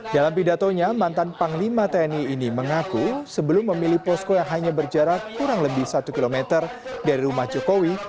dalam pidatonya mantan panglima tni ini mengaku sebelum memilih posko yang hanya berjarak kurang lebih satu km dari rumah jokowi